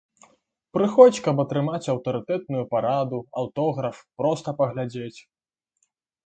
Прыходзь, каб атрымаць аўтарытэтную параду, аўтограф, проста паглядзець.